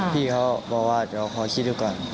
พี่เขาบอกว่าขอชิดดูก่อน